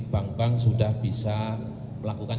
pak mensos tambahan